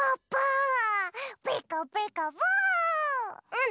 うん！